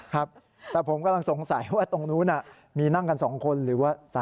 ครับแต่ผมกำลังสงสัยว่าตรงนู้นมีนั่งกัน๒คนหรือว่า